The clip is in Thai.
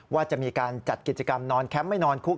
ว่าจะมีการจัดกิจกรรมนอนแคมป์ไม่นอนคุก